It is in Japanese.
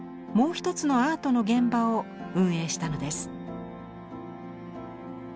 もう一つのアートの現場を運営したのです。